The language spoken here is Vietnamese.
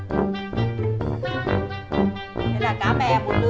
cái gì đâu